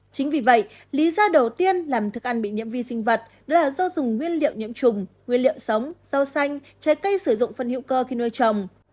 chính vì vậy lý do đầu tiên làm thức ăn bị nhiễm vi sinh vật là do dùng nguyên liệu nhiễm trùng nguyên liệu sống rau xanh trái cây sử dụng phân hữu cơ khi nuôi trồng